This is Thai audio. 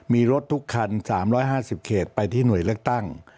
มีรถทุกคัน๓๕๐เขตไปที่หน่วยเลือกตั้ง